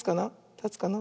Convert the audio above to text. たつかな。